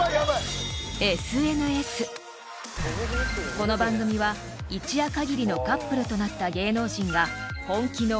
［この番組は一夜限りのカップルとなった芸能人が本気のお忍びデート］